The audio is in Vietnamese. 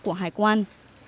của hải quan